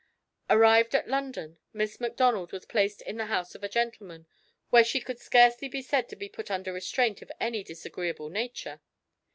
Arrived in London, Miss Macdonald was placed in the house of a gentleman, where she could scarcely be said to be put under restraint of any disagreeable nature.